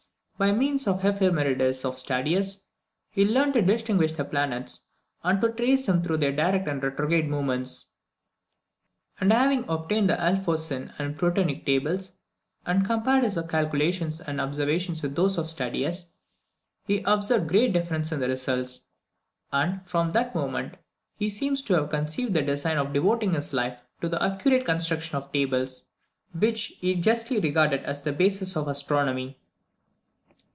By means of the Ephemerides of Stadius, he learned to distinguish the planets, and to trace them through their direct and retrograde movements; and having obtained the Alphonsine and Prutenic Tables, and compared his own calculations and observations with those of Stadius, he observed great differences in the results, and from that moment he seems to have conceived the design of devoting his life to the accurate construction of tables, which he justly regarded as the basis of astronomy.